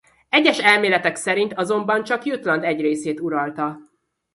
Egyes elméletek szerint azonban csak Jütland egy részét uralta.